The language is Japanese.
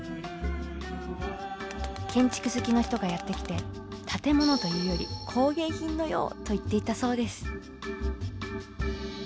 建築好きの人がやって来て建物というより工芸品のようと言っていたそうです。